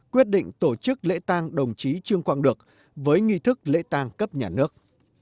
quyết định tổ chức lễ tang đồng chí trương quang được với nghi thức lễ tang cấp nhà nước